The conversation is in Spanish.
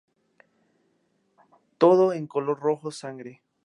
Todo en color rojo sangre.